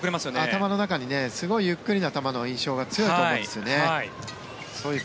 頭の中にすごいゆっくりな球の印象が強いと思うんですよね。